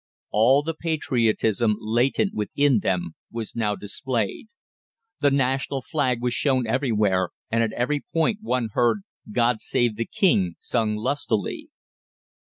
All the patriotism latent within them was now displayed. The national flag was shown everywhere, and at every point one heard "God save the King" sung lustily.